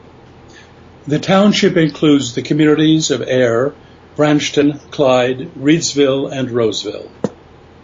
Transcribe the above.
The township includes the communities of Ayr, Branchton, Clyde, Reidsville and Roseville.